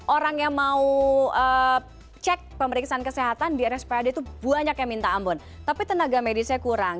orang yang mau cek pemeriksaan kesehatan di rspad itu banyak yang minta ampun tapi tenaga medisnya kurang